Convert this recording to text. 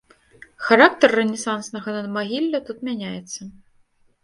Характар рэнесанснага надмагілля тут мяняецца.